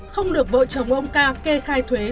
không được vợ chồng ông ca kê khai thuế